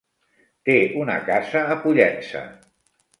Té una casa a Pollença.